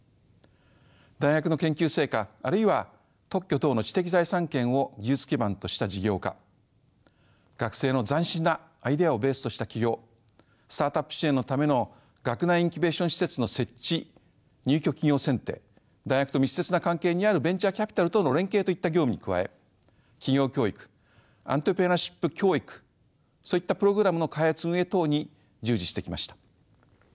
大学の研究成果あるいは特許等の知的財産権を技術基盤とした事業化学生の斬新なアイデアをベースとした起業スタートアップ支援のための学内インキュベーション施設の設置入居企業選定大学と密接な関係にあるベンチャーキャピタルとの連携といった業務に加え起業教育アントレプレナーシップ教育そういったプログラムの開発運営等に従事してきました。